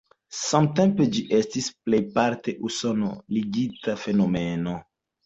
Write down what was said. Samtempe ĝi estis plejparte usono-ligita fenomeno.